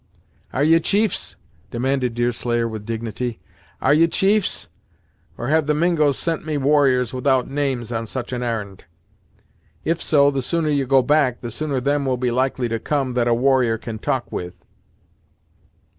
"Are ye chiefs?" demanded Deerslayer with dignity "Are ye chiefs? Or have the Mingos sent me warriors without names, on such an ar'n'd? If so, the sooner ye go back, the sooner them will be likely to come that a warrior can talk with."